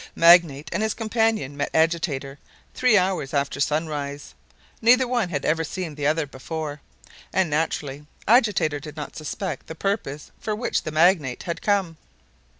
Magnate and his companion met Agitator three hours after sun rise. Neither one had ever seen the other before, and naturally Agitator did not suspect the purpose for which Magnate had come.